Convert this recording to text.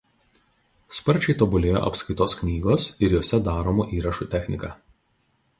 Sparčiai tobulėjo apskaitos knygos ir jose daromų įrašų technika.